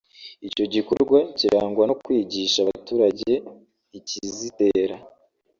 Icyo gikorwa kirangwa no kwigisha abaturage ikizitera